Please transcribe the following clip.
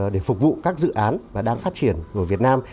để phục vụ các dự án và đang phát triển của việt nam